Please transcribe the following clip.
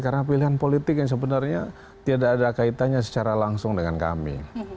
karena pilihan politik yang sebenarnya tidak ada kaitannya secara langsung dengan kami